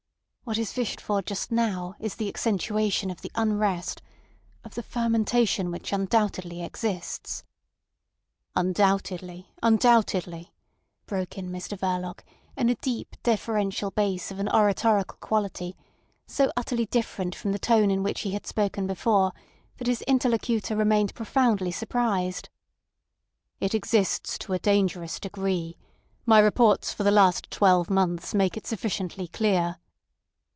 What is wished for just now is the accentuation of the unrest—of the fermentation which undoubtedly exists—" "Undoubtedly, undoubtedly," broke in Mr Verloc in a deep deferential bass of an oratorical quality, so utterly different from the tone in which he had spoken before that his interlocutor remained profoundly surprised. "It exists to a dangerous degree. My reports for the last twelve months make it sufficiently clear."